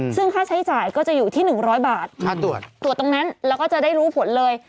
ซึ่งค่าใช้จ่ายก็จะอยู่ที่๑๐๐บาทค่าตรวจตรวจตรงนั้นแล้วก็จะได้รู้ผลเลย